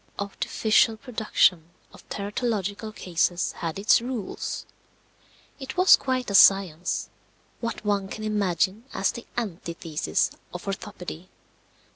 The artificial production of teratological cases had its rules. It was quite a science what one can imagine as the antithesis of orthopedy.